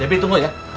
debbie tunggu ya